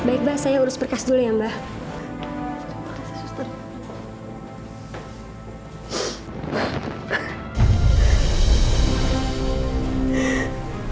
baik mbak saya urus berkas dulu ya mbak